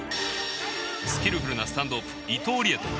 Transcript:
スキルフルなスタンドオフ伊藤利江人。